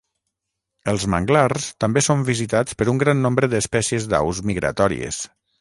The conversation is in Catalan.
Els manglars també són visitats per un gran nombre d'espècies d'aus migratòries.